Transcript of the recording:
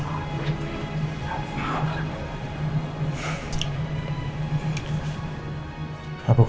apa ketolak dulu ya